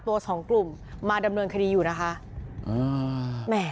สองกลุ่มมาดำเนินคดีอยู่นะคะ